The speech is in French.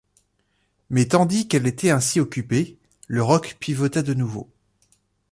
Mais tandis qu’elle était ainsi occupée, le roc pivota de nouveau.